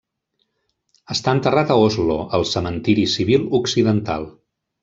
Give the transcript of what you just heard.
Està enterrat a Oslo, al Cementiri Civil Occidental.